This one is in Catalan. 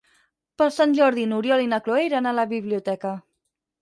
Per Sant Jordi n'Oriol i na Cloè iran a la biblioteca.